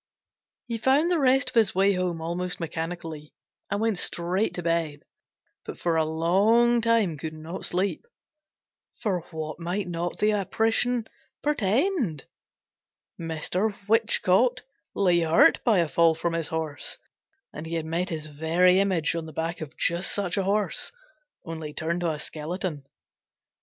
He found the rest of his way home almost mechanically, and went straight to bed, but for a long time could not sleep. For what might not the apparition portend? Mr. Whichcote lay hurt by a fall from his horse, and he had met his very image on the back of just such a horse, only turned to a skeleton!